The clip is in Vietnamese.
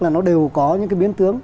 là nó đều có những cái biến tương